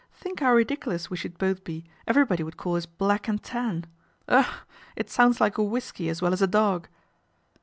Think how ridiculous we should both be, everybody would call us Black and Tan. Ugh I it sounds like a whisky as well as a dog."